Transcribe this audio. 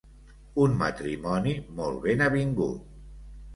Un matrimoni molt ben avingut.